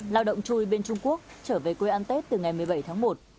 lao động chui bên trung quốc trở về quê ăn tết từ ngày một mươi bảy tháng một